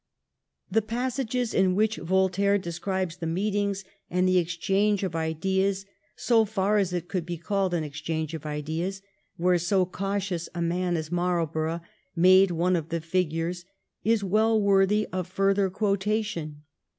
The passages in which Voltaire describes the meetings and the exchange of ideas, so far as it could be called an exchange of ideas where so cautious a man as Marlborough made one of the figures, is well worthy of further quotation.